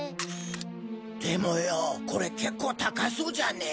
でもよぉこれ結構高そうじゃねぇ？